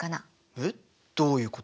えっ？どういうこと？